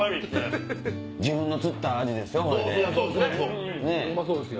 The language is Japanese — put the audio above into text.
自分の釣ったアジですよ。